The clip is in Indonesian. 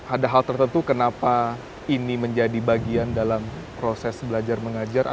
ada hal tertentu kenapa ini menjadi bagian dalam proses belajar mengajar